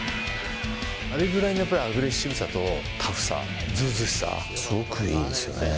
あれぐらいのやっぱりアグレッシブさとタフさ、ずうずうしさ、すごくいいですよね。